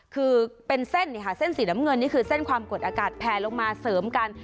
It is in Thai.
คือเป็นเส้นสีน้ำเงินนี่คือเส้นความกดอากาศแพลลงมาเสริมกัน